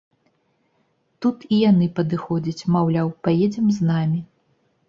Тут і яны падыходзяць, маўляў, праедзем з намі.